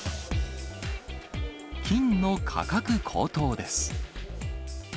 金の価格高騰です。